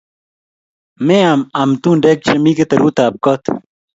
Meam amtundek chemii keteruut ab kot